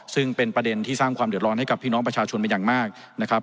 ซึ่งเป็นประเด็นที่สร้างความเดือดร้อนให้กับพี่น้องประชาชนเป็นอย่างมากนะครับ